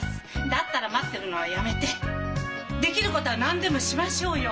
だったら待ってるのはやめてできることは何でもしましょうよ！